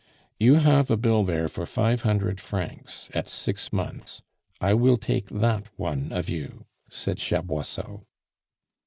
"You have a bill there for five hundred francs at six months; I will take that one of you," said Chaboisseau.